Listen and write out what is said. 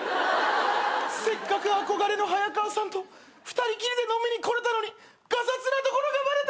せっかく憧れのハヤカワさんと二人きりで飲みに来れたのにがさつなところがバレた。